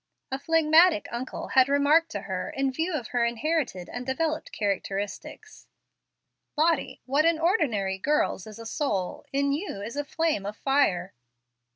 A phlegmatic uncle had remarked to her, in view of inherited and developed characteristics, "Lottie, what in ordinary girls is a soul, in you is a flame of fire."